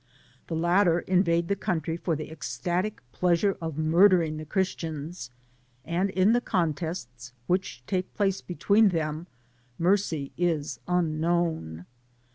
The latter invade the country for the ecstatic pleasure of mur dering the Christians, and in the contests which take place between them mercy is unknown.